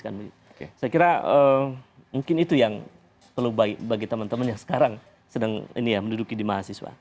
saya kira mungkin itu yang perlu bagi teman teman yang sekarang sedang menduduki di mahasiswa